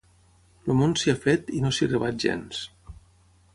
El món s'hi ha fet i no s'hi rebat gens.